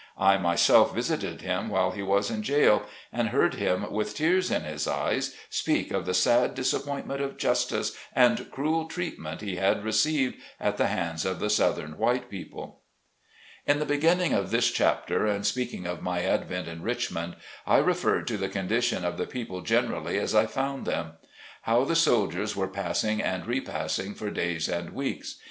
I myself visited him while he was in jail, and heard him, with tears in his eyes, speak of the sad disap pointment of justice and cruel treatment he had received at the hands of the southern white people. In beginning this chapter, and speaking of my advent in Richmond, I referred to the condition of the people generally as I found them. How the soldiers were passing and repassing for days and weeks.